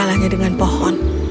dia berbincang dengan pohon